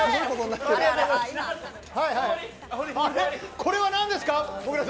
これはなんですか。